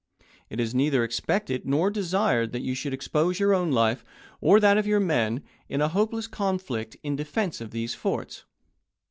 It is neither expected nor desired that you should expose your own life or that of your men, in a hopeless conflict in defense of these forts.